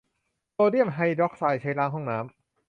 โซเดียมไฮดรอกไซด์ใช้ล้างห้องน้ำ